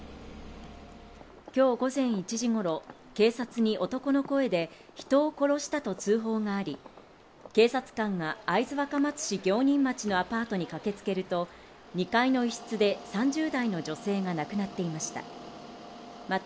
今日午前１時頃、警察に男の声で人を殺したと通報があり、警察官が会津若松市行仁町のアパートに駆けつけると、２階の一室で３０代の女性が亡くなっていました。